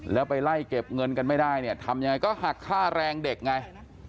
แล้วไปไล่เก็บเงินกันไม่ได้เนี่ยทำยังไงก็หักค่าแรงเด็กไง